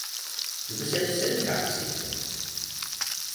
Du har bestemt selv engang set det